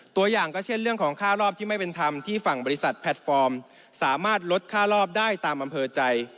ตัวอย่างก็เช่นเรื่องของค่ารอบที่ไม่เป็นธรรมที่ฝั่งบริษัทแพลตฟอร์มสามารถลดค่ารอบได้ตามอำเภอใจ